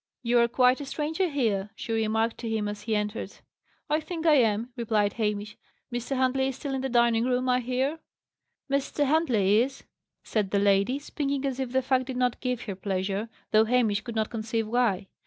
"You are quite a stranger here," she remarked to him as he entered. "I think I am," replied Hamish. "Mr. Huntley is still in the dining room, I hear?" "Mr. Huntley is," said the lady, speaking as if the fact did not give her pleasure, though Hamish could not conceive why.